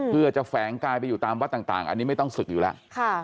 เพื่อจะแฝงกายไปอยู่ตามวัดต่างอันนี้ไม่ต้องศึกอยู่แล้ว